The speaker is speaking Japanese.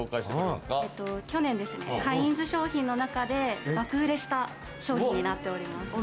去年、カインズ商品の中で爆売れした商品になっております。